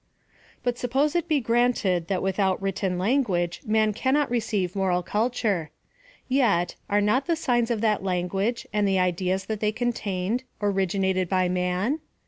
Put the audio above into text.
But suppose it be granted that without written language man cannot receive moral r;«iture; yet, are not the signs of that language, and the ideas that they contain, originated by man?